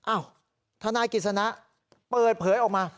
ทนายกิจสนะเปิดเผยออกมา